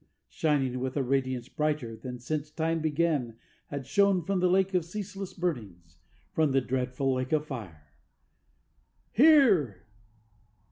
Shining with a radiance brighter than since time began had shone From the Lake of Ceaseless Burnings, from the dreadful lake of fire.